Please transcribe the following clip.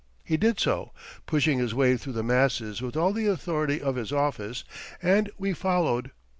He did so, pushing his way through the masses with all the authority of his office and we followed.